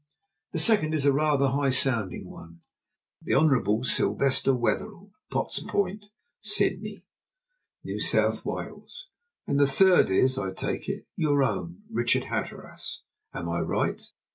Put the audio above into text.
The second is rather a high sounding one the Hon. Sylvester Wetherell, Potts Point, Sydney, New South Wales; and the third is, I take it, your own, Richard Hatteras. Am I right?"